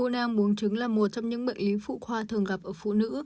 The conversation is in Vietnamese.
u nang buông trứng là một trong những bệnh lý phụ khoa thường gặp ở phụ nữ